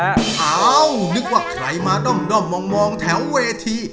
อ้าวนึกว่าใครมาด้อมมองแถวเวที